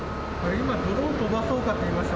今、ドローン飛ばそうかって言いました？